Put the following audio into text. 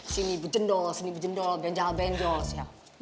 sini bejendol sini bejendol benjol benjol